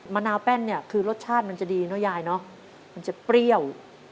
นาวแป้นเนี่ยคือรสชาติมันจะดีเนอะยายเนอะมันจะเปรี้ยว